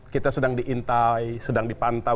kita sedang diintai sedang dipantau